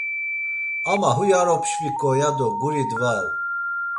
Ama huy ar opşviǩo, yado guri dvau.